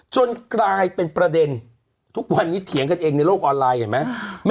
จนกลายเป็นประเด็นทุกวันนี้เถียงกันเองในโลกออนไลน์เห็นไหม